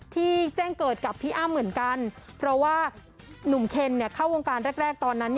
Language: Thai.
แจ้งเกิดกับพี่อ้ำเหมือนกันเพราะว่าหนุ่มเคนเข้าวงการแรกตอนนั้น